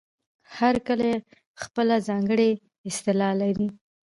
هر کلی خپله ځانګړې اصطلاح لري.